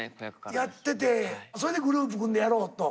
やっててそれでグループ組んでやろうと。